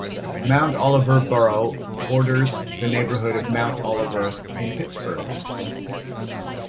Mount Oliver Borough borders the neighborhood of Mount Oliver in Pittsburgh.